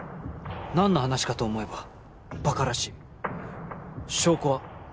何の話かと思えばバカらしい証拠は？